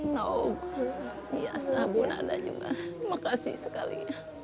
no biasa bu ada juga makasih sekali